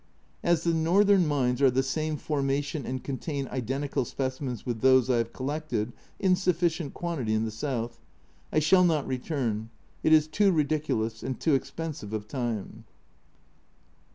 As the northern mines are the same formation and contain identical specimens with those I have collected in sufficient quantity in the south, I shall not return, it is too ridiculous and too expensive of time.